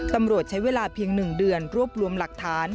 ตำรวจใช้เวลาเพียง๑เดือนรวบรวมหลักฐาน